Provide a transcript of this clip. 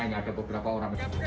hanya ada beberapa orang